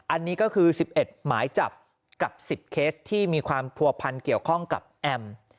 อันนี้ก็คือ๑๑หมายจับกับ๑๐เคสที่มีความผัวพันธ์เกี่ยวข้องกับแอม